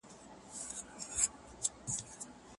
عام خلګ د فيلسوفانو تر حده سياست نه سي درک کولای.